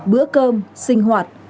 bữa cơm sinh hoạt